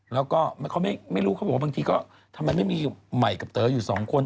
แล้วก็เขาไม่รู้เขาบอกว่าบางทีก็ทำไมไม่มีใหม่กับเต๋ออยู่สองคน